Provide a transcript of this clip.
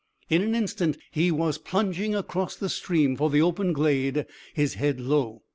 An instant and he was plunging across the stream for the open glade, his head low.